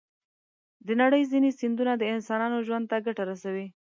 د نړۍ ځینې سیندونه د انسانانو ژوند ته ګټه رسوي.